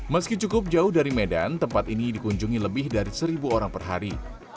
meski cukup jauh dari medan tempat ini dikunjungi lebih dari seribu orang per hari